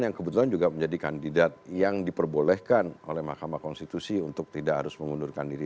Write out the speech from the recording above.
yang kebetulan juga menjadi kandidat yang diperbolehkan oleh mahkamah konstitusi untuk tidak harus mengundurkan diri